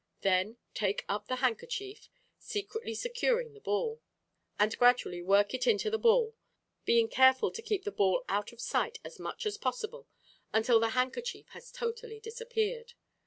Then take up the handkerchief (secretly securing the ball) and gradually work it into the ball, being careful to keep the ball out of sight as much as possible until the handkerchief has totally disappeared.